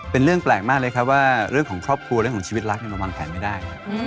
เป็นเรื่องแปลกมากเลยครับว่าเรื่องของครอบครัวเรื่องของชีวิตรักมันวางแผนไม่ได้